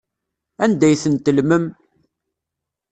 Anda ay tent-tellmem?